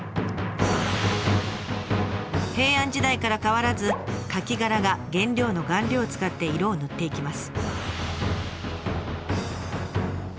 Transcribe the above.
平安時代から変わらずカキ殻が原料の顔料を使って色を塗っていきます。